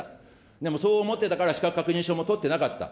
でもそう思ってたから、資格確認書も取ってなかった。